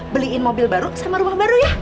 beliin mobil baru sama rumah baru ya